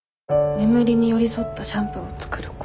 眠りに寄り添ったシャンプーを作ること。